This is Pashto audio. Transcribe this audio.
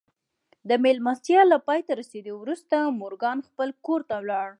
د مېلمستيا له پای ته رسېدو وروسته مورګان خپل کور ته ولاړ.